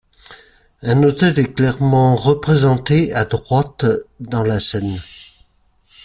Un autel est clairement représenté à droite dans la scène.